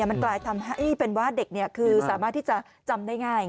มันกลายทำให้เป็นว่าเด็กคือสามารถที่จะจำได้ง่าย